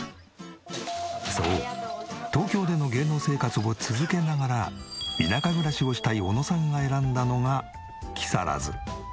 そう東京での芸能生活を続けながら田舎暮らしをしたい小野さんが選んだのが木更津。